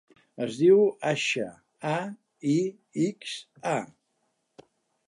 Es diu Aixa: a, i, ics, a.